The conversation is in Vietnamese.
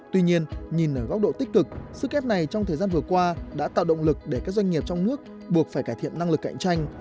tuy nhiên nhìn ở góc độ tích cực sức ép này trong thời gian vừa qua đã tạo động lực để các doanh nghiệp trong nước buộc phải cải thiện năng lực cạnh tranh